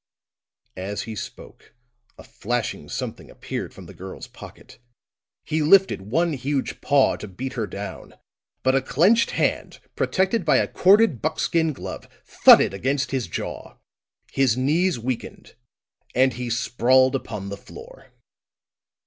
As he spoke a flashing something appeared from the girl's pocket; he lifted one huge paw to beat her down; but a clenched hand, protected by a corded buckskin glove, thudded against his jaw; his knees weakened, and he sprawled upon the floor.